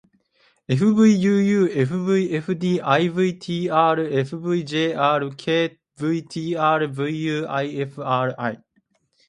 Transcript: fvuufvfdivtrfvjrkvtrvuifri